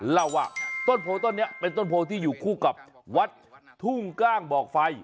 เล่าว่าต้นโพต้นนี้เป็นต้นโพที่อยู่คู่กับวัดทุ่งกล้างบอกไฟ